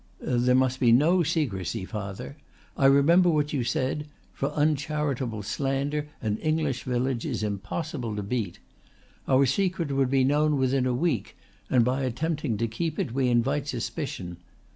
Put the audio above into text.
"There must be no secrecy, father. I remember what you said: for uncharitable slander an English village is impossible to beat. Our secret would be known within a week and by attempting to keep it we invite suspicion.